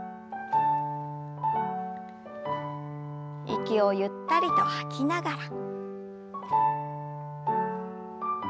息をゆったりと吐きながら。